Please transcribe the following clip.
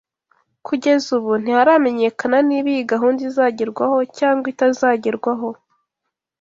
Kugeza ubu ntiharamenyekana niba iyi gahunda izagerwaho cyangwa itazagerwaho